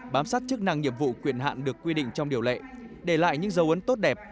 bám sát chức năng nhiệm vụ quyền hạn được quy định trong điều lệ để lại những dấu ấn tốt đẹp